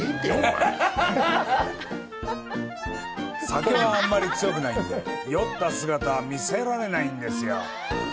酒はあまり強くないんで酔った姿は見せられないんですよ！